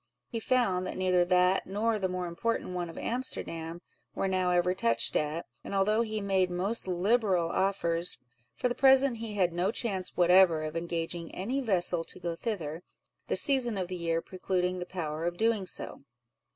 He found, that neither that nor the more important one of Amsterdam were now ever touched at: and although he made most liberal offers, for the present he had no chance whatever of engaging any vessel to go thither, the season of the year precluding the power of doing so.